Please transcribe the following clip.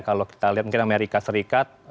kalau kita lihat mungkin amerika serikat